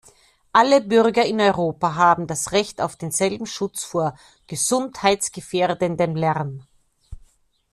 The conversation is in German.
Alle Bürger in Europa haben das Recht auf denselben Schutz vor gesundheitsgefährdendem Lärm.